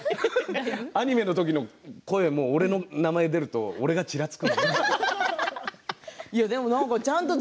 アニメの時も俺の名前が出ると俺がちらつく。